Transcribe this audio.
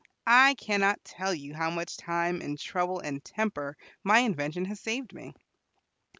I cannot tell you how much time and trouble and temper my invention has saved me."